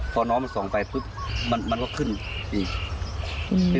พอน้องมันส่องไปมันก็ขึ้นอีก